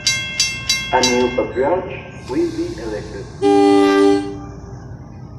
A new patriarch will be elected.